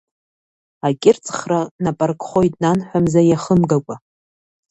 Акьырҵхра нап аркхоит нанҳәа мза иахымгакәа.